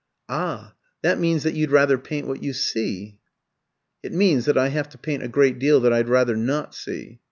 "Ah! that means that you'd rather paint what you see?" "It means that I have to paint a great deal that I'd rather not see."